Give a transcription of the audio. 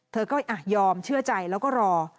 เธอก็ยอมเชื่อใจแล้วก็รอ